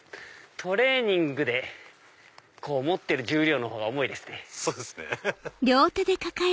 トレーニングで持ってる重量のほうが重いですね。